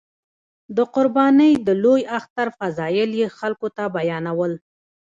د قربانۍ د لوی اختر فضایل یې خلکو ته بیانول.